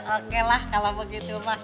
oke lah kalau begitu mas